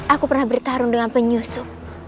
aku pernah bertarung dengan penyusu